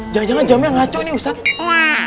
jangan jangan jamnya ngaco nih ustadz